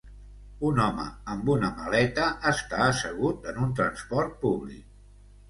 Un home amb una maleta està assegut en un transport públic.